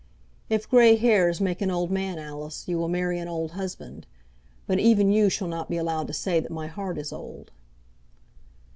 "If grey hairs make an old man, Alice, you will marry an old husband; but even you shall not be allowed to say that my heart is old."